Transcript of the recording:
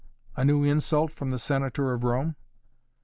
A new insult from the Senator of Rome?